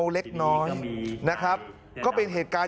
สวัสดีครับคุณผู้ชาย